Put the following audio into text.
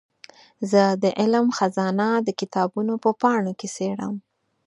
زه د علم خزانه د کتابونو په پاڼو کې څېړم.